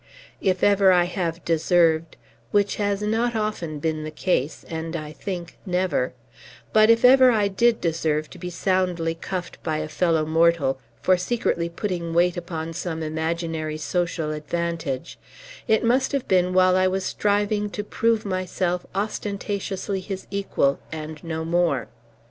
If ever I have deserved (which has not often been the case, and, I think, never), but if ever I did deserve to be soundly cuffed by a fellow mortal, for secretly putting weight upon some imaginary social advantage, it must have been while I was striving to prove myself ostentatiously his equal and no more.